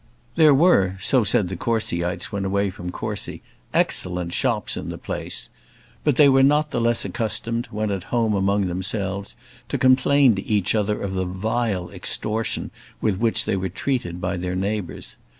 There were, so said the Courcyites when away from Courcy, excellent shops in the place; but they were not the less accustomed, when at home among themselves, to complain to each other of the vile extortion with which they were treated by their neighbours.